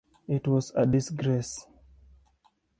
It was a disgrace.